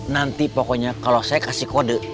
nanti pokoknya kalau saya kasih kode